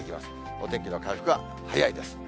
お天気の回復は早いです。